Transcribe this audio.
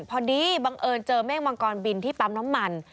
พอดีบังเอิญเจอเมฆมังกรบินที่ปั๊มน้ำมัน